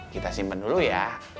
kita simpen dulu ya